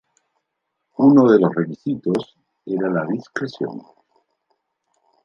Uno de los requisitos era la discreción.